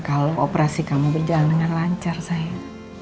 kalau operasi kamu berjalan dengan lancar saya